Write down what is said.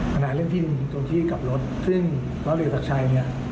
ปัญหาเรื่องที่ตรงที่กลับรถซึ่งร้อนเรือศักดิ์ชัย